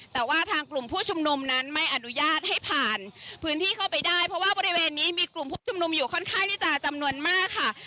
แต่ว่าทางกลุ่มผู้ชุมนุมนั้นไม่อนุญาตให้ผ่านพื้นที่เข้าไปได้เพราะว่าบริเวณนี้มีกลุ่มผู้ชุมนุมอยู่ค่อนข้างที่จะจำนวนมากค่ะ